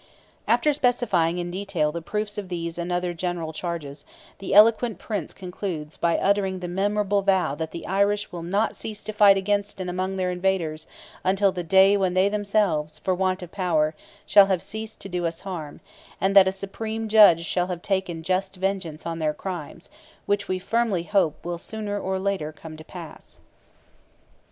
After specifying in detail the proofs of these and other general charges, the eloquent Prince concludes by uttering the memorable vow that the Irish "will not cease to fight against and among their invaders until the day when they themselves, for want of power, shall have ceased to do us harm, and that a Supreme Judge shall have taken just vengeance on their crimes, which we firmly hope will sooner or later come to pass."